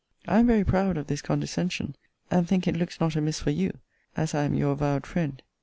I am very proud of this condescension; and think it looks not amiss for you, as I am your avowed friend.